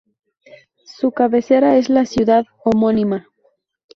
Su cabecera es la ciudad homónima.